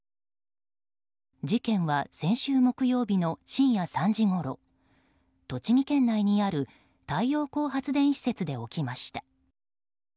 事件は先週木曜日の深夜３時ごろ栃木県内にある太陽光発電施設で起きました。